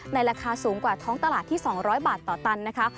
ราคาสูงกว่าท้องตลาดที่๒๐๐บาทต่อตันนะคะ